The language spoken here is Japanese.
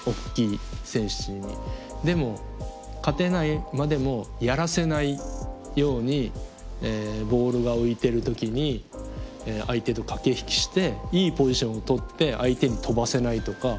でも勝てないまでもやらせないようにボールが浮いてる時に相手と駆け引きしていいポジションをとって相手に跳ばせないとか。